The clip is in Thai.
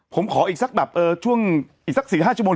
ผมขออีกสักแบบช่วงอีกสัก๔๕ชั่วโม